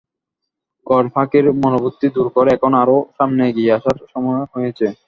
কর ফাঁকির মনোবৃত্তি দূর করে এখন আরও সামনে এগিয়ে আসার সময় হয়েছে।